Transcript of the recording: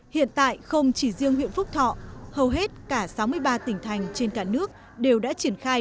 hiện tại không chỉ riêng huyện phúc thọ hầu hết cả sáu mươi ba tỉnh thành trên cả nước đều đã triển khai